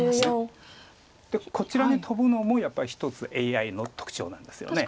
でこちらにトブのもやっぱり一つＡＩの特徴なんですよね。